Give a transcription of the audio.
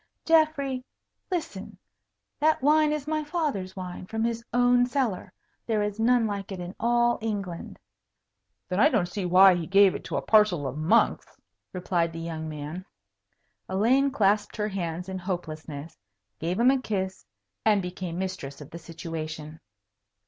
"Geoffrey, listen! That wine is my father's wine, from his own cellar. There is none like it in all England." "Then I don't see why he gave it to a parcel of monks," replied the young man. Elaine clasped her hands in hopelessness, gave him a kiss, and became mistress of the situation.